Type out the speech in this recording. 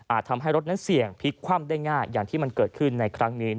ทำให้รถนั้นเสี่ยงพลิกคว่ำได้ง่ายอย่างที่มันเกิดขึ้นในครั้งนี้